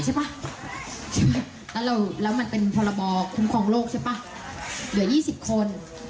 ใช่ปะใช่ปะแล้วเราแล้วมันเป็นคุมครองโลกใช่ปะเหลือยี่สิบคน